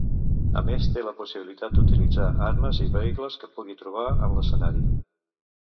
A més té la possibilitat d'utilitzar armes i vehicles que pugui trobar en l'escenari.